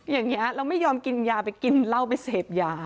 อย่างนี้เราไม่ยอมกินยาไปกินเหล้าไปเสพยา